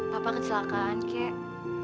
pak apa kesalahan kakek